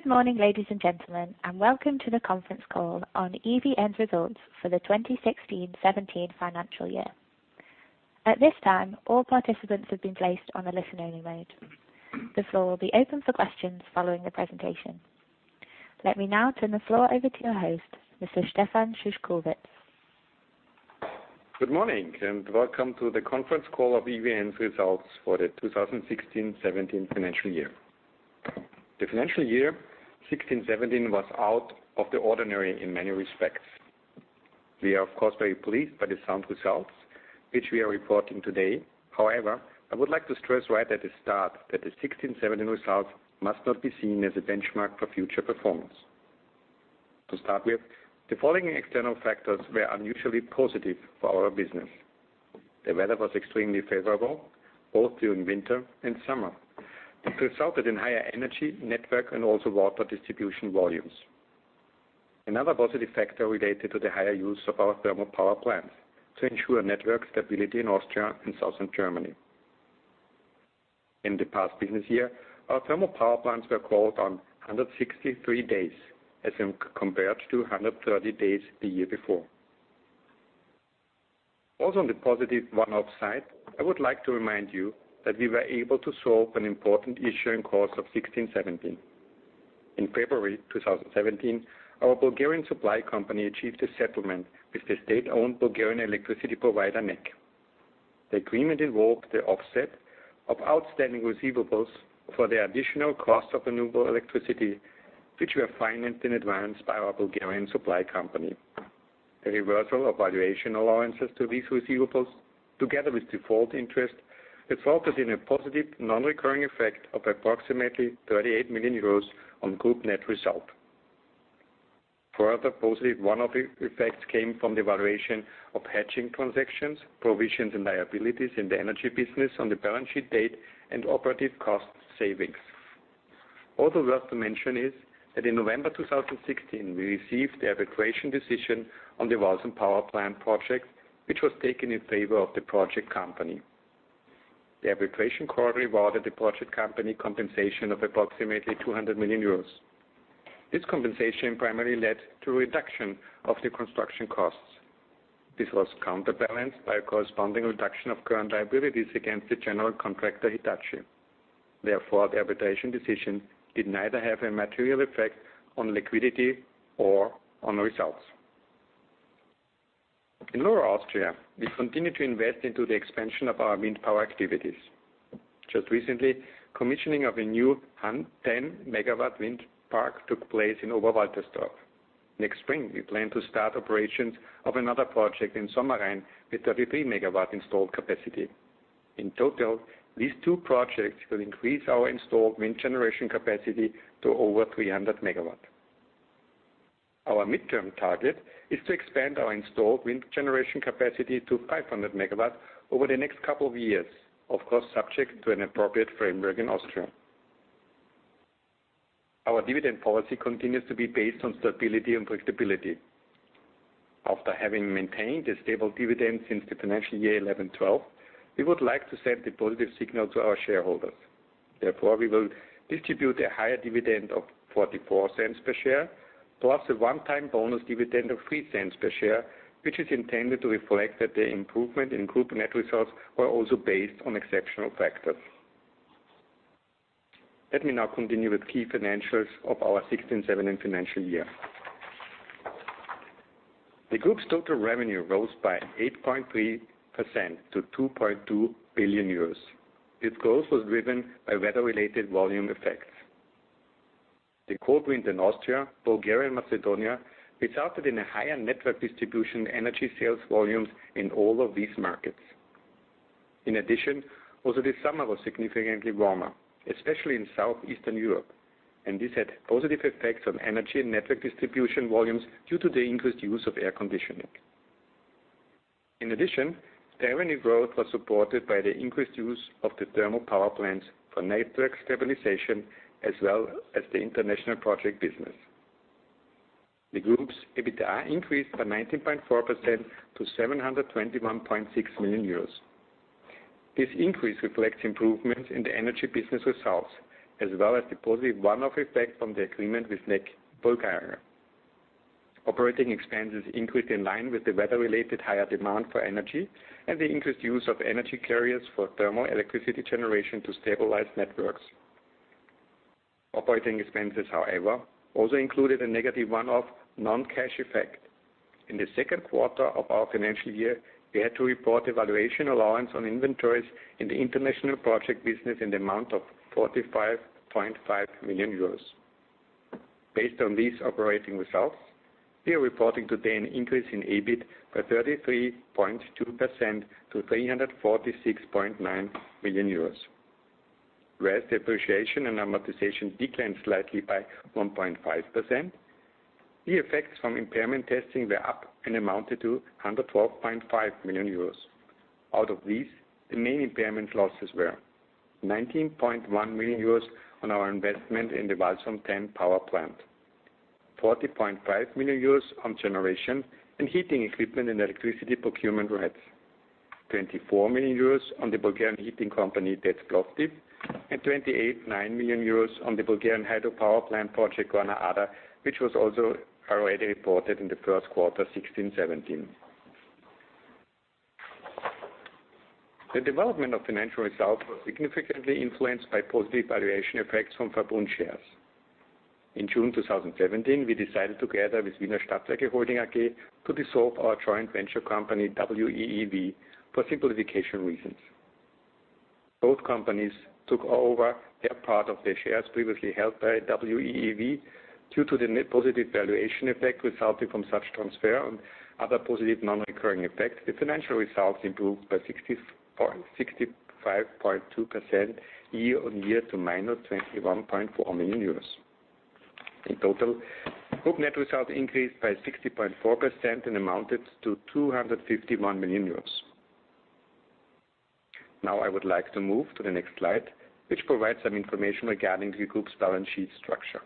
Good morning, ladies and gentlemen, welcome to the conference call on EVN's results for the 2016/17 financial year. At this time, all participants have been placed on a listen-only mode. The floor will be open for questions following the presentation. Let me now turn the floor over to your host, Mr. Stefan Szyszkowitz. Good morning, welcome to the conference call of EVN's results for the 2016/17 financial year. The financial year 16/17 was out of the ordinary in many respects. We are, of course, very pleased by the sound results which we are reporting today. However, I would like to stress right at the start that the 16/17 results must not be seen as a benchmark for future performance. To start with, the following external factors were unusually positive for our business. The weather was extremely favorable, both during winter and summer. It resulted in higher energy, network, and also water distribution volumes. Another positive factor related to the higher use of our thermal power plants to ensure network stability in Austria and Southern Germany. In the past business year, our thermal power plants were called on 163 days as compared to 130 days the year before. Also, on the positive one-off side, I would like to remind you that we were able to solve an important issue in course of 16/17. In February 2017, our Bulgarian supply company achieved a settlement with the state-owned Bulgarian electricity provider, NEK. The agreement involved the offset of outstanding receivables for the additional cost of renewable electricity, which were financed in advance by our Bulgarian supply company. The reversal of valuation allowances to these receivables, together with default interest, resulted in a positive non-recurring effect of approximately 38 million euros on group net result. Further positive one-off effects came from the valuation of hedging transactions, provisions and liabilities in the energy business on the balance sheet date, and operative cost savings. Also worth to mention is that in November 2016, we received the arbitration decision on the Walsum Power Plant project, which was taken in favor of the project company. The arbitration court awarded the project company compensation of approximately 200 million euros. This compensation primarily led to reduction of the construction costs. This was counterbalanced by a corresponding reduction of current liabilities against the general contractor, Hitachi. Therefore, the arbitration decision did neither have a material effect on liquidity or on results. In Lower Austria, we continue to invest into the expansion of our wind power activities. Just recently, commissioning of a new 10-megawatt wind park took place in Oberwaltersdorf. Next spring, we plan to start operations of another project in Sommerein with 33 megawatts installed capacity. In total, these two projects will increase our installed wind generation capacity to over 300 megawatts. Our midterm target is to expand our installed wind generation capacity to 500 megawatts over the next couple of years, of course, subject to an appropriate framework in Austria. Our dividend policy continues to be based on stability and predictability. After having maintained a stable dividend since the financial year 2011/2012, we would like to send a positive signal to our shareholders. Therefore, we will distribute a higher dividend of 0.44 per share, plus a one-time bonus dividend of 0.03 per share, which is intended to reflect that the improvement in group net results were also based on exceptional factors. Let me now continue with key financials of our 2016/2017 financial year. The group's total revenue rose by 8.3% to 2.2 billion euros. This growth was driven by weather-related volume effects. The cold winter in Austria, Bulgaria, and Macedonia resulted in a higher network distribution energy sales volumes in all of these markets. In addition, also this summer was significantly warmer, especially in Southeastern Europe, and this had positive effects on energy and network distribution volumes due to the increased use of air conditioning. In addition, the revenue growth was supported by the increased use of the thermal power plants for network stabilization, as well as the international project business. The group's EBITDA increased by 19.4% to 721.6 million euros. This increase reflects improvements in the energy business results, as well as the positive one-off effect from the agreement with NEK Bulgaria. Operating expenses increased in line with the weather-related higher demand for energy and the increased use of energy carriers for thermal electricity generation to stabilize networks. Operating expenses, however, also included a negative one-off non-cash effect. In the second quarter of our financial year, we had to report a valuation allowance on inventories in the international project business in the amount of 45.5 million euros. Based on these operating results, we are reporting today an increase in EBIT by 33.2% to 346.9 million euros. Whereas depreciation and amortization declined slightly by 1.5%, the effects from impairment testing were up and amounted to 112.5 million euros. Out of these, the main impairment losses were 19.1 million euros on our investment in the Walsum 10 Power Plant. 40.5 million euros on generation and heating equipment and electricity procurement rights. 24 million euros on the Bulgarian heating company, Toplofikatsia Plovdiv, and 28.9 million euros on the Bulgarian hydropower plant project, Gorna Arda, which was also already reported in the first quarter 2016/2017. The development of financial results was significantly influenced by positive valuation effects from Verbund shares. In June 2017, we decided together with Wiener Stadtwerke Holding AG to dissolve our joint venture company, WEEV, for simplification reasons. Both companies took over their part of the shares previously held by WEEV. Due to the net positive valuation effect resulting from such transfer and other positive non-recurring effects, the financial results improved by 65.2% year-on-year to minus 21.4 million euros. In total, group net results increased by 60.4% and amounted to 251 million euros. Now I would like to move to the next slide, which provides some information regarding the group's balance sheet structure.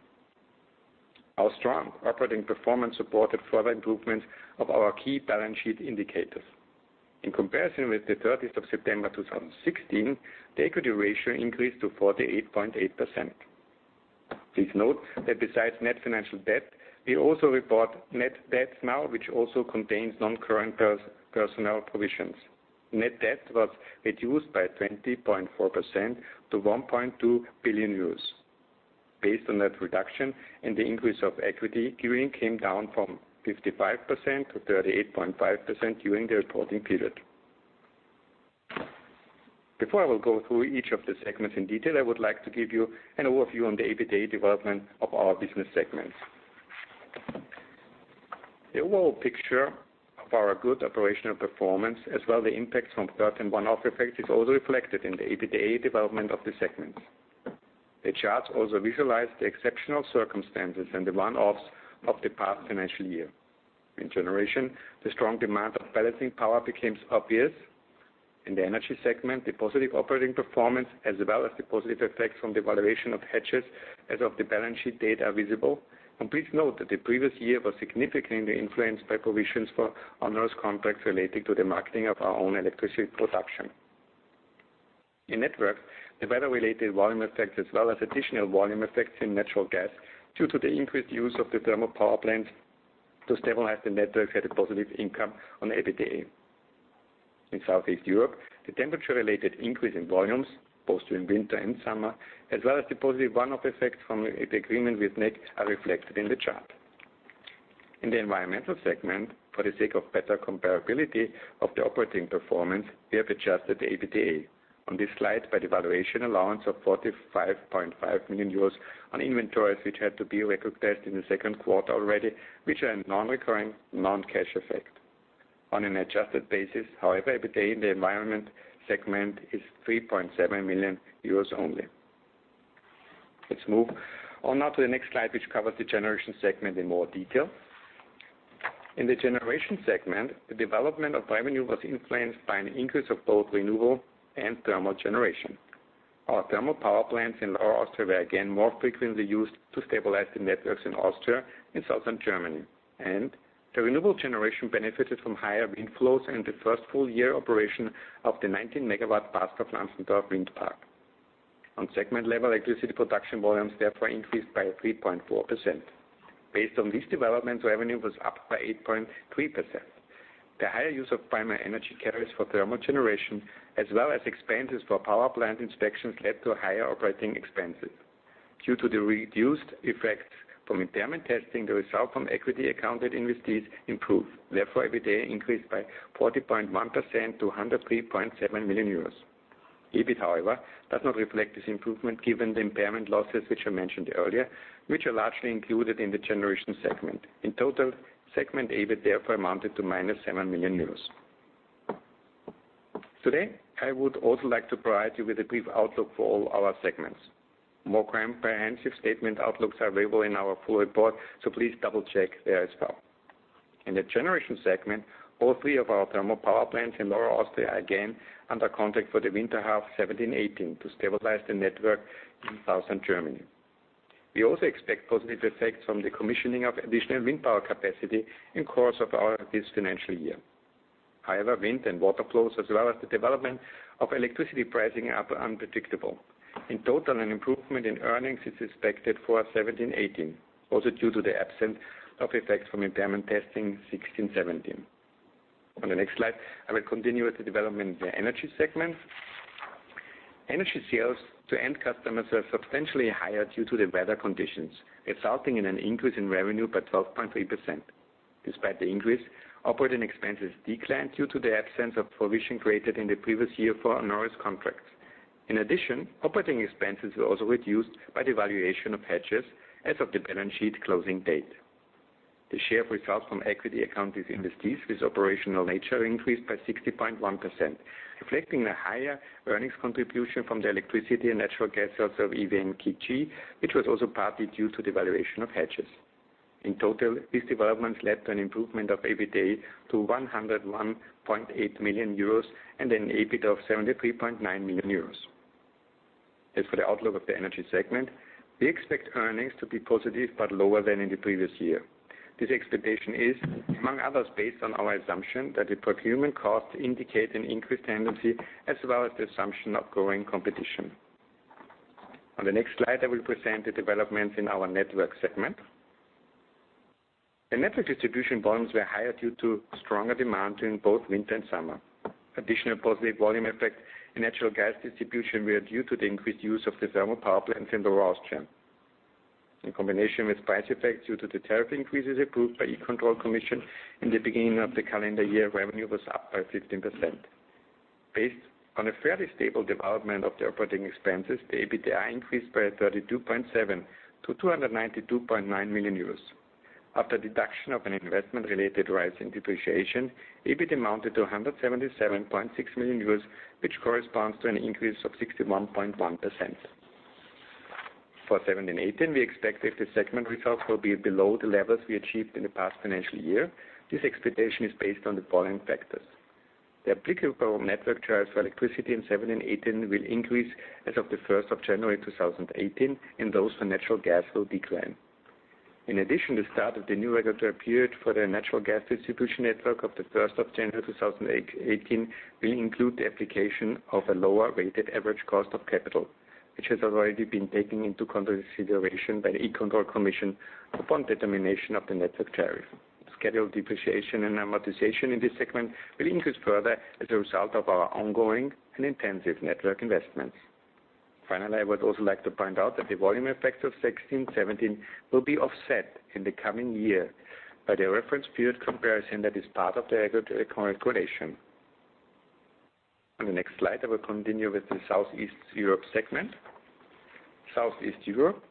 Our strong operating performance supported further improvement of our key balance sheet indicators. In comparison with the 30th of September 2016, the equity ratio increased to 48.8%. Please note that besides net financial debt, we also report net debt now, which also contains non-current personnel provisions. Net debt was reduced by 20.4% to 1.2 billion euros. Based on that reduction and the increase of equity, gearing came down from 55%-38.5% during the reporting period. Before I will go through each of the segments in detail, I would like to give you an overview on the EBITDA development of our business segments. The overall picture of our good operational performance, as well the impacts from certain one-off effects, is also reflected in the EBITDA development of the segments. The charts also visualize the exceptional circumstances and the one-offs of the past financial year. In generation, the strong demand of balancing power becomes obvious. In the energy segment, the positive operating performance, as well as the positive effects from the valuation of hedges as of the balance sheet date are visible. Please note that the previous year was significantly influenced by provisions for onerous contracts related to the marketing of our own electricity production. In networks, the weather-related volume effects, as well as additional volume effects in natural gas due to the increased use of the thermal power plants to stabilize the networks, had a positive income on EBITDA. In Southeast Europe, the temperature-related increase in volumes, both during winter and summer, as well as the positive one-off effects from the agreement with NEK, are reflected in the chart. In the environmental segment, for the sake of better comparability of the operating performance, we have adjusted EBITDA. On this slide, by the valuation allowance of 45.5 million euros on inventories, which had to be recognized in the second quarter already, which are a non-recurring non-cash effect. On an adjusted basis, however, EBITDA in the environment segment is 3.7 million euros only. Let's move on now to the next slide, which covers the generation segment in more detail. In the generation segment, the development of revenue was influenced by an increase of both renewable and thermal generation. Our thermal power plants in Lower Austria were again more frequently used to stabilize the networks in Austria and southern Germany, and the renewable generation benefited from higher wind flows in the first full year operation of the 19-megawatt Park of Lanzenkirchen wind park. On segment level, electricity production volumes therefore increased by 3.4%. Based on these developments, revenue was up by 8.3%. The higher use of primary energy carriers for thermal generation, as well as expenses for power plant inspections, led to higher operating expenses. Due to the reduced effects from impairment testing, the result from equity accounted investees improved. Therefore, EBITDA increased by 40.1% to 103.7 million euros. EBIT, however, does not reflect this improvement given the impairment losses, which I mentioned earlier, which are largely included in the generation segment. In total, segment EBIT therefore amounted to minus 7 million euros. Today, I would also like to provide you with a brief outlook for all our segments. More comprehensive statement outlooks are available in our full report, so please double-check there as well. In the generation segment, all three of our thermal power plants in Lower Austria are again under contract for the winter half 2017/2018 to stabilize the network in southern Germany. We also expect positive effects from the commissioning of additional wind power capacity in the course of this financial year. However, wind and water flows, as well as the development of electricity pricing, are unpredictable. In total, an improvement in earnings is expected for 2017/2018, also due to the absence of effects from impairment testing 2016/2017. On the next slide, I will continue with the development in the energy segment. Energy sales to end customers are substantially higher due to the weather conditions, resulting in an increase in revenue by 12.3%. Despite the increase, operating expenses declined due to the absence of provision created in the previous year for onerous contracts. In addition, operating expenses were also reduced by the valuation of hedges as of the balance sheet closing date. The share of results from equity account investees with operational nature increased by 60.1%, reflecting a higher earnings contribution from the electricity and natural gas sales of EVN KG, which was also partly due to the valuation of hedges. In total, these developments led to an improvement of EBITDA to 101.8 million euros and an EBIT of 73.9 million euros. As for the outlook of the energy segment, we expect earnings to be positive, but lower than in the previous year. This expectation is, among others, based on our assumption that the procurement costs indicate an increased tendency, as well as the assumption of growing competition. On the next slide, I will present the developments in our network segment. The network distribution volumes were higher due to stronger demand during both winter and summer. Additional positive volume effects in natural gas distribution were due to the increased use of the thermal power plants in Lower Austria. In combination with price effects due to the tariff increases approved by E-Control commission, in the beginning of the calendar year, revenue was up by 15%. Based on a fairly stable development of the operating expenses, the EBITDA increased by 32.7% to 292.9 million euros. After deduction of an investment-related rise in depreciation, EBIT amounted to 177.6 million euros, which corresponds to an increase of 61.1%. For 2017-2018, we expect that the segment results will be below the levels we achieved in the past financial year. This expectation is based on the following factors. The applicable network charges for electricity in 2017 and 2018 will increase as of the 1st of January 2018, and those for natural gas will decline. In addition, the start of the new regulatory period for the natural gas distribution network of the 1st of January 2018 will include the application of a lower weighted average cost of capital. Which has already been taken into consideration by the E-Control commission upon determination of the network tariff. Scheduled depreciation and amortization in this segment will increase further as a result of our ongoing and intensive network investments. Finally, I would also like to point out that the volume effects of 2016-2017 will be offset in the coming year by the reference period comparison that is part of the regulatory calculation. On the next slide, I will continue with the Southeast Europe segment. Southeast Europe.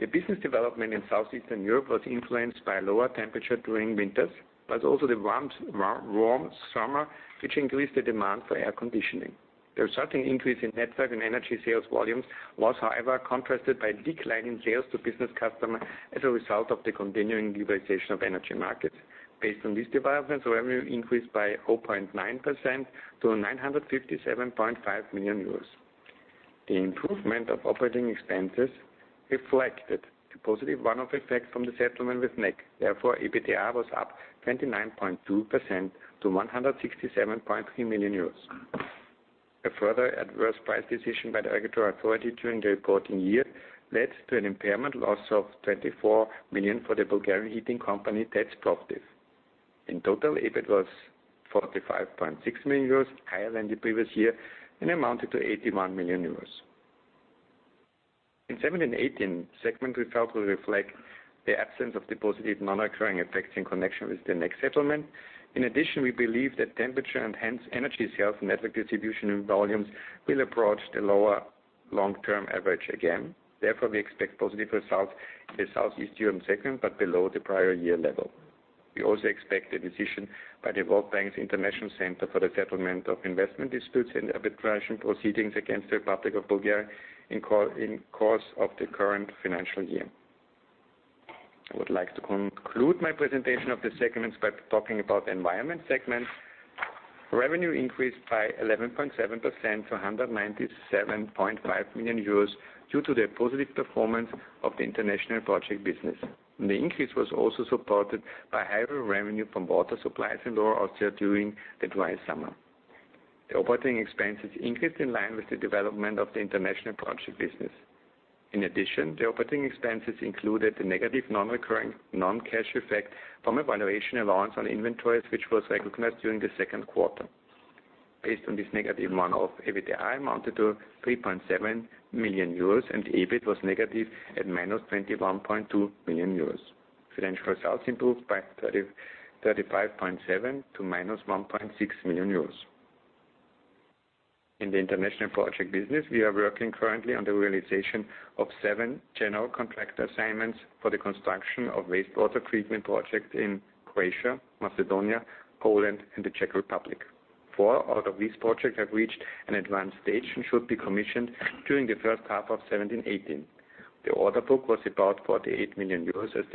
The business development in Southeast Europe was influenced by lower temperature during winters, but also the warm summer, which increased the demand for air conditioning. The resulting increase in network and energy sales volumes was, however, contrasted by a decline in sales to business customer as a result of the continuing liberalization of energy markets. Based on these developments, revenue increased by 0.9% to 957.5 million euros. The improvement of operating expenses reflected the positive one-off effect from the settlement with NEK. Therefore, EBITDA was up 29.2% to 167.3 million euros. A further adverse price decision by the regulatory authority during the reporting year led to an impairment loss of 24 million for the Bulgarian heating company Toplofikatsia Plovdiv. In total, EBIT was 45.6 million euros higher than the previous year and amounted to 81 million euros. In 2017-2018, segment result will reflect the absence of the positive non-recurring effects in connection with the NEK settlement. In addition, we believe that temperature and hence energy sales, network distribution, and volumes will approach the lower long-term average again. Therefore, we expect positive results in the Southeast Europe segment, but below the prior year level. We also expect a decision by the World Bank's International Center for the Settlement of Investment Disputes in the arbitration proceedings against the Republic of Bulgaria in the course of the current financial year. I would like to conclude my presentation of the segments by talking about the environment segment. Revenue increased by 11.7% to 197.5 million euros due to the positive performance of the international project business. The increase was also supported by higher revenue from water supplies in Lower Austria during the dry summer. The operating expenses increased in line with the development of the international project business. In addition, the operating expenses included the negative non-recurring non-cash effect from a valuation allowance on inventories, which was recognized during the second quarter. Based on this negative one-off, EBITDA amounted to 3.7 million euros and EBIT was negative at minus 21.2 million euros. Financial results improved by 35.7% to minus 1.6 million euros. In the international project business, we are working currently on the realization of seven general contract assignments for the construction of wastewater treatment projects in Croatia, Macedonia, Poland, and the Czech Republic. Four out of these projects have reached an advanced stage and should be commissioned during the first half of 2017-2018. The order book was about 48 million euros at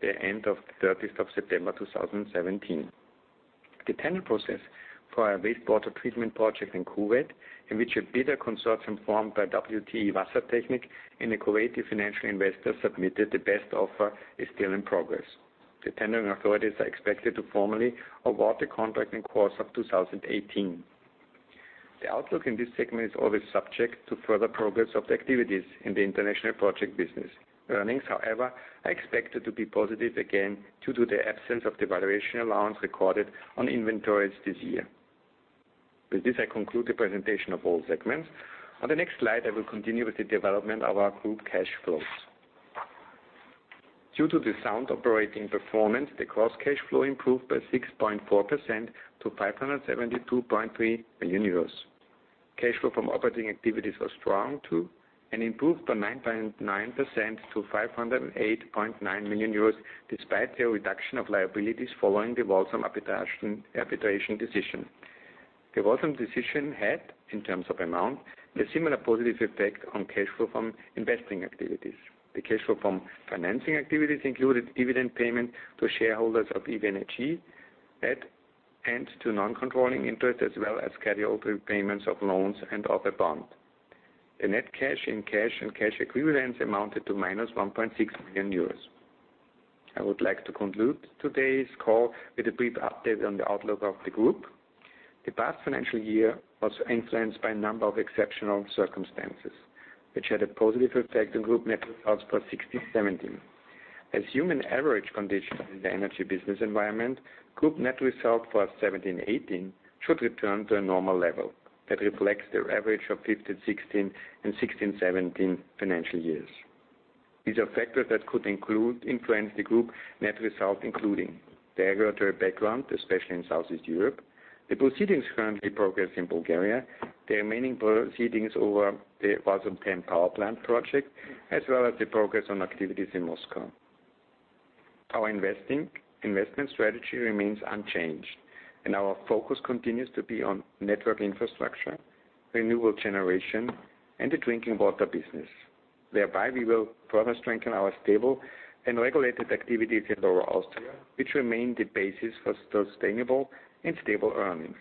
the end of the 30th of September 2017. The tender process for a wastewater treatment project in Kuwait, in which a bidder consortium formed by WTE Wassertechnik and a Kuwaiti financial investor submitted the best offer, is still in progress. The tendering authorities are expected to formally award the contract in the course of 2018. The outlook in this segment is always subject to further progress of the activities in the international project business. Earnings, however, are expected to be positive again due to the absence of the valuation allowance recorded on inventories this year. With this, I conclude the presentation of all segments. On the next slide, I will continue with the development of our group cash flows. Due to the sound operating performance, the gross cash flow improved by 6.4% to 572.3 million euros. Cash flow from operating activities was strong, too, and improved by 9.9% to 508.9 million euros, despite the reduction of liabilities following the [Walsum] arbitration decision. The [Walsum] decision had, in terms of amount, a similar positive effect on cash flow from investing activities. The cash flow from financing activities included dividend payment to shareholders of EVN AG and to non-controlling interest, as well as carryover payments of loans and other bond. The net cash in cash and cash equivalents amounted to minus 1.6 billion euros. I would like to conclude today's call with a brief update on the outlook of the group. The past financial year was influenced by a number of exceptional circumstances, which had a positive effect on group net results for 2016/2017. As human average conditions in the energy business environment, group net result for 17/18 should return to a normal level that reflects the average of 15/16 and 16/17 financial years. These are factors that could influence the group net result including, the regulatory background, especially in Southeast Europe, the proceedings currently progress in Bulgaria, the remaining proceedings over the Walsum 10 power plant project, as well as the progress on activities in Moscow. Our investment strategy remains unchanged, and our focus continues to be on network infrastructure, renewable generation and the drinking water business. Thereby, we will further strengthen our stable and regulated activities in Lower Austria, which remain the basis for sustainable and stable earnings.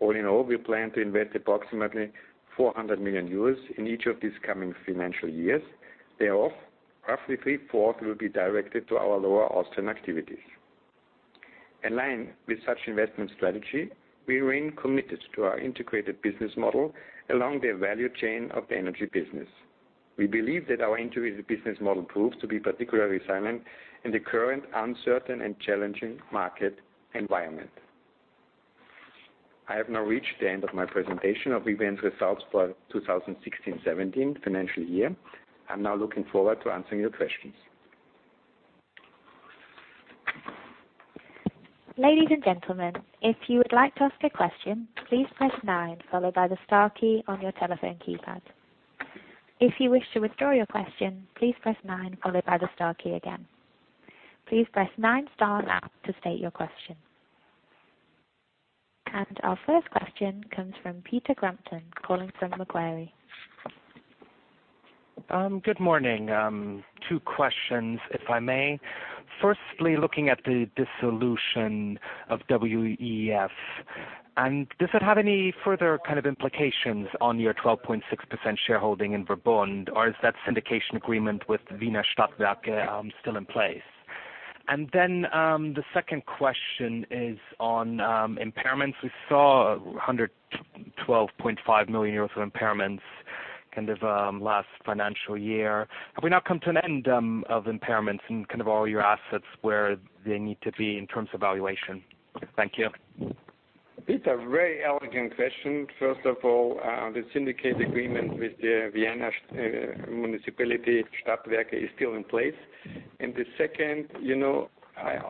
All in all, we plan to invest approximately 400 million euros in each of these coming financial years. Thereof, roughly three-fourths will be directed to our Lower Austrian activities. In line with such investment strategy, we remain committed to our integrated business model along the value chain of the energy business. We believe that our integrated business model proves to be particularly resilient in the current uncertain and challenging market environment. I have now reached the end of my presentation of EVN's results for 2016/17 financial year. I'm now looking forward to answering your questions. Ladies and gentlemen, if you would like to ask a question, please press nine followed by the star key on your telephone keypad. If you wish to withdraw your question, please press nine followed by the star key again. Please press nine, star now to state your question. Our first question comes from Peter Crampton, calling from Macquarie. Good morning. Two questions, if I may. Firstly, looking at the dissolution of WEEV, does it have any further kind of implications on your 12.6% shareholding in Verbund, or is that syndication agreement with Wiener Stadtwerke still in place? The second question is on impairments. We saw 112.5 million euros of impairments kind of last financial year. Have we now come to an end of impairments in kind of all your assets where they need to be in terms of valuation? Thank you. These are very elegant questions. First of all, the syndicate agreement with the Vienna Municipality Stadtwerke is still in place. The second,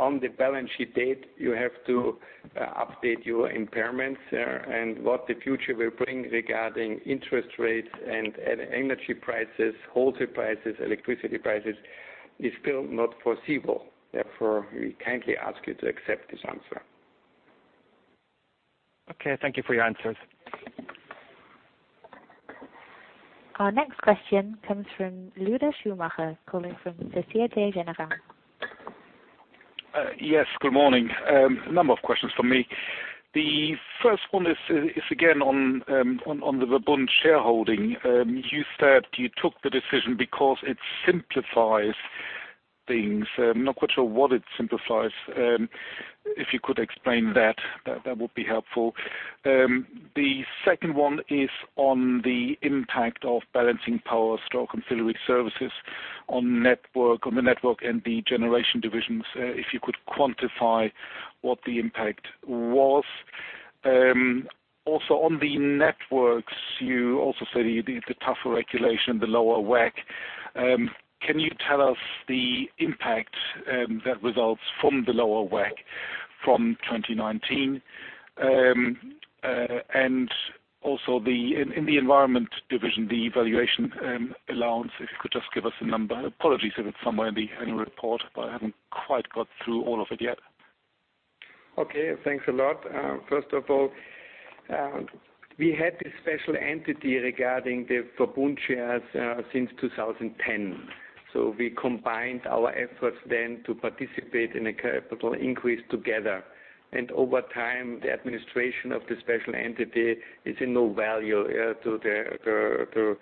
on the balance sheet date, you have to update your impairments there and what the future will bring regarding interest rates and energy prices, wholesale prices, electricity prices, is still not foreseeable. Therefore, we kindly ask you to accept this answer. Okay. Thank you for your answers. Our next question comes from Lueder Schumacher, calling from Société Générale. Yes, good morning. A number of questions from me. The first one is again on the Verbund shareholding. You said you took the decision because it simplifies things. I'm not quite sure what it simplifies. If you could explain that would be helpful. The second one is on the impact of balancing power stock and services on the network and the generation divisions, if you could quantify what the impact was. Also, on the networks, you also said the tougher regulation, the lower WACC. Can you tell us the impact that results from the lower WACC from 2019? Also, in the environment division, the valuation allowance, if you could just give us a number. Apologies if it's somewhere in the annual report, but I haven't quite got through all of it yet. Okay, thanks a lot. First of all, we had this special entity regarding the Verbund shares since 2010. We combined our efforts then to participate in a capital increase together. Over time, the administration of the special entity is in no value to the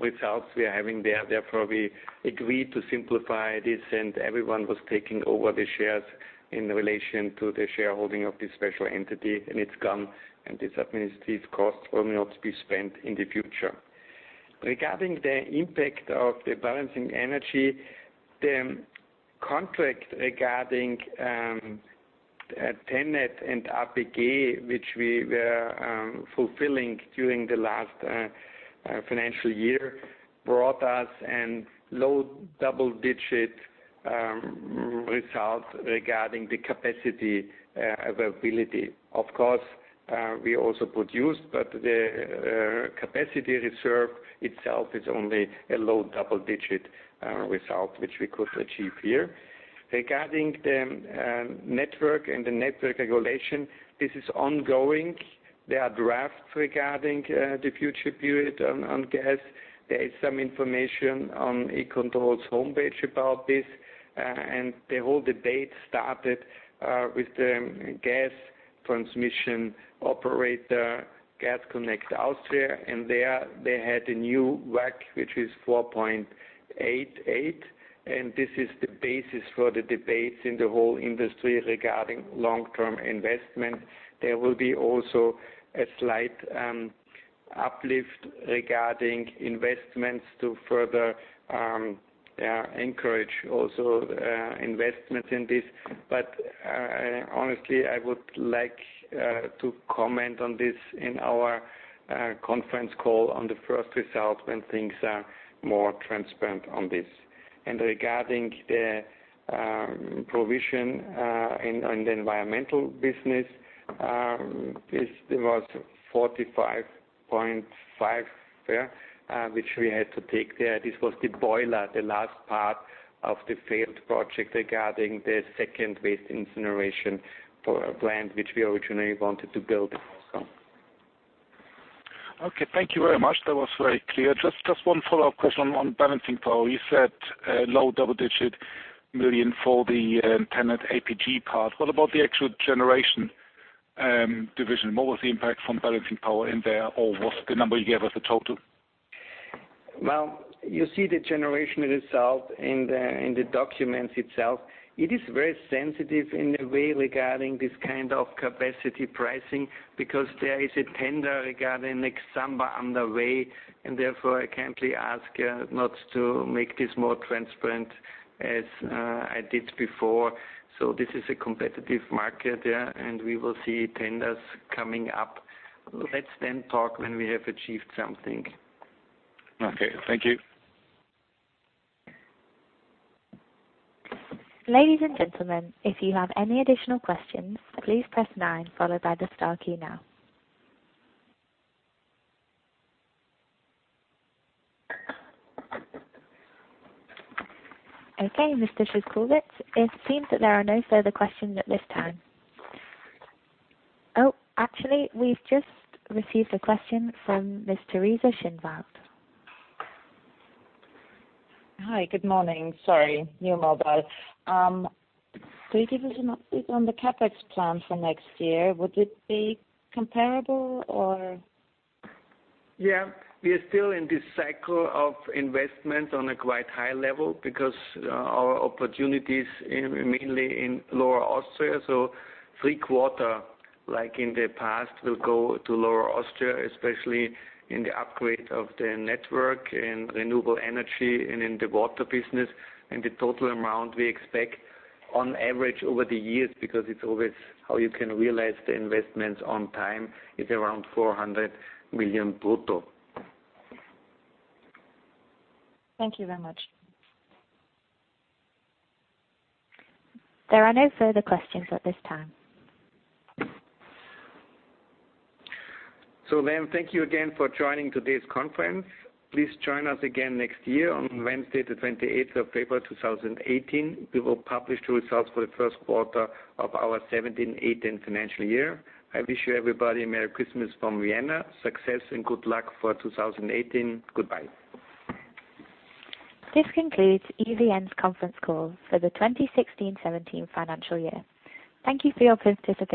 results we are having there. Therefore, we agreed to simplify this, and everyone was taking over the shares in relation to the shareholding of this special entity, and it's gone, and these administrative costs will not be spent in the future. Regarding the impact of the balancing energy, the contract regarding TenneT and APG, which we were fulfilling during the last financial year, brought us a low double-digit result regarding the capacity availability. Of course, we also produced, the capacity reserve itself is only a low double-digit result which we could achieve here. Regarding the network and the network regulation, this is ongoing. There are drafts regarding the future period on gas. There is some information on E-Control's homepage about this. The whole debate started with the gas transmission operator, Gas Connect Austria. There they had a new WACC, which is 4.88. This is the basis for the debates in the whole industry regarding long-term investment. There will be also a slight uplift regarding investments to further encourage also investments in this. Honestly, I would like to comment on this in our conference call on the first result when things are more transparent on this. Regarding the provision on the environmental business, there was 45.5 there, which we had to take there. This was the boiler, the last part of the failed project regarding the second waste incineration plant, which we originally wanted to build also. Okay, thank you very much. That was very clear. Just one follow-up question on balancing power. You said low double-digit million for the TenneT APG part. What about the actual generation division? What was the impact from balancing power in there, or what's the number you gave as a total? Well, you see the generation result in the documents itself. It is very sensitive in a way regarding this kind of capacity pricing because there is a tender regarding next summer underway. Therefore, I kindly ask not to make this more transparent as I did before. This is a competitive market there. We will see tenders coming up. Let's then talk when we have achieved something. Okay. Thank you. Ladies and gentlemen, if you have any additional questions, please press 9 followed by the star key now. Okay, Mr. Szyszkowitz. It seems that there are no further questions at this time. Actually, we've just received a question from Ms. Teresa Schinwald. Hi. Good morning. Sorry, new mobile. Could you give us an update on the CapEx plan for next year? Would it be comparable or? We are still in this cycle of investment on a quite high level because our opportunities, mainly in Lower Austria, so three quarter, like in the past, will go to Lower Austria, especially in the upgrade of the network and renewable energy and in the water business. The total amount we expect on average over the years, because it's always how you can realize the investments on time, is around 400 million brutto. Thank you very much. There are no further questions at this time. Thank you again for joining today's conference. Please join us again next year on Wednesday the 28th of February 2018. We will publish the results for the first quarter of our 2017-2018 financial year. I wish you everybody Merry Christmas from Vienna, success and good luck for 2018. Goodbye. This concludes EVN's conference call for the 2016-2017 financial year. Thank you for your participation.